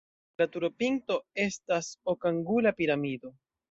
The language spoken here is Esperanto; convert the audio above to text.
La turopinto estas okangula piramido.